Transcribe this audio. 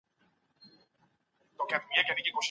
هغه سړی تر موږ ډېر ليري یوې بلي نا اشنا سیمي ته تللی و.